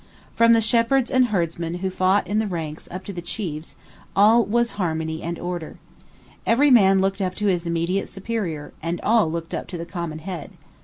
From the shepherds and herdsmen who fought in the ranks up to the chiefs, all was harmony and order. Every man looked up to his immediate superior, and all looked up to the common head.